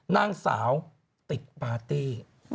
นางสาวติดปาร์ตี้